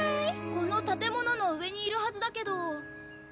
この建物の上にいるはずだけど。